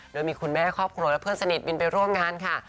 โดยมีคุณแม่ครอบครัวและเพื่อนสนิทบินไปร่วมงานค่ะ